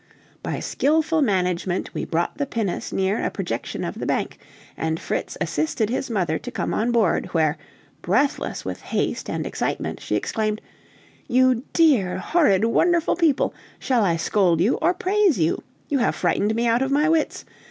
By skillful management we brought the pinnace near a projection of the bank, and Fritz assisted his mother to come on board, where, breathless with haste and excitement, she exclaimed, "You dear, horrid, wonderful people, shall I scold you or praise you? You have frightened me out of my wits!